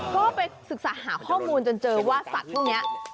ก็ไปศึกษาหาข้อมูลจนเจอว่าสัตว์พวกนี้